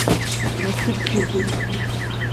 Трактор — трибун.